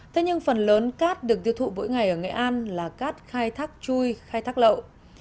thế nhưng phần lớn cát được tiêu thụ mỗi ngày ở nghệ an là cát khai thác chui khai thác lậu